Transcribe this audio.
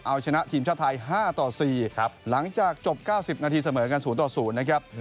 เอาชนะทีมชาติไทย๕ต่อ๔หลังจากจบ๙๐นาทีเสมอกัน๐ต่อ๐นะครับ